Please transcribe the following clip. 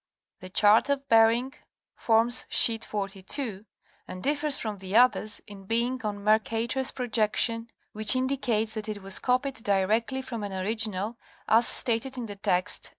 The chart of Bering forms sheet 42, and differs from the others in being on Mercator's projection which indicates that it was copied directly from an original as stated in the text.